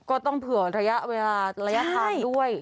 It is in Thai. ก็ต้องเผื่อระยะเวลาระยะทางด้วย